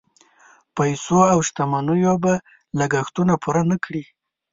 پیسو او شتمنیو به لګښتونه پوره نه کړي.